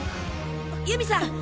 由美さん！